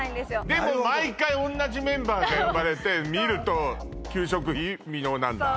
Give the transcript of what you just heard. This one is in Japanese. でも毎回同じメンバーが呼ばれて見ると給食費未納なんだ？